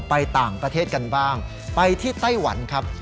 ไปต่างประเทศกันบ้างไปที่ไต้หวันครับ